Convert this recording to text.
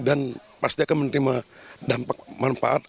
dan pasti akan menerima dampak manfaat